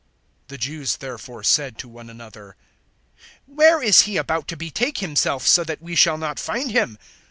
007:035 The Jews therefore said to one another, "Where is he about to betake himself, so that we shall not find him?